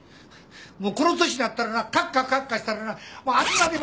もうこの年なったらなカッカカッカしたらなもう熱うなりまんねん。